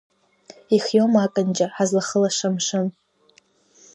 Ихиоума аканџьа, ҳазлахылаша амшын?